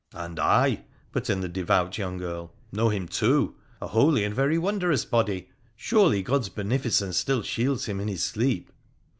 ' And I,' put in the devout young Earl, ' know him too. A holy and very wondrous body ! Surely God's beneficence still shields him in his sleep